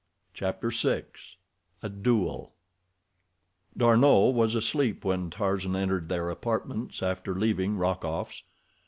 Chapter VI A Duel D'Arnot was asleep when Tarzan entered their apartments after leaving Rokoff's.